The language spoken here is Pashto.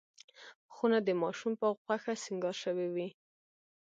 خونه د ماشوم په خوښه سینګار شوې وي.